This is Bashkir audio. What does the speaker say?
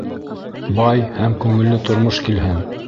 Бай һәм күңелле тормош килһен!